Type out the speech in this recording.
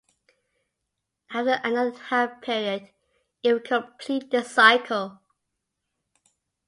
After another half period, it would complete the cycle.